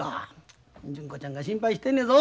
純子ちゃんが心配してんねやぞ。